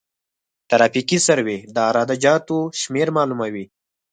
ترافیکي سروې د عراده جاتو شمېر معلوموي